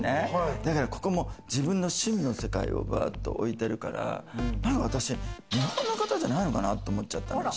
だからここも自分の趣味の世界を置いているから日本の方じゃないのかなと思っちゃった。